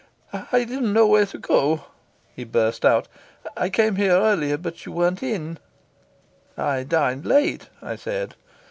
"I didn't know where to go," he burst out. "I came here earlier, but you weren't in." "I dined late," I said.